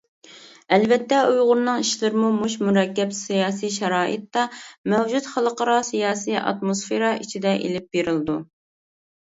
ئەلۋەتتە، ئۇيغۇرنىڭ ئىشلىرىمۇ مۇشۇ مۇرەككەپ سىياسىي شارائىتتا، مەۋجۇت خەلقئارا سىياسىي ئاتموسفېرا ئىچىدە ئېلىپ بېرىلىدۇ.